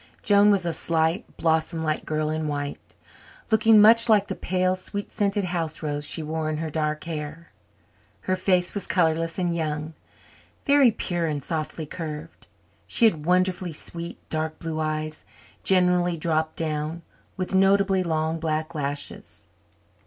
Joan was a slight, blossom like girl in white, looking much like the pale, sweet scented house rose she wore in her dark hair. Her face was colourless and young, very pure and softly curved. She had wonderfully sweet, dark blue eyes, generally dropped down, with notably long black lashes.